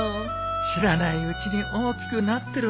知らないうちに大きくなってるもんだなあ。